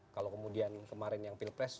kalau kemudian kemarin yang pilpres